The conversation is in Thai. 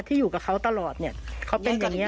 ที่อยู่กับเขาตลอดเนี่ยเค้าเป็นยังไง